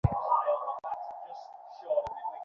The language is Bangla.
তোমার জন্য শুভকামনা রইল, জাশয়োন্দার।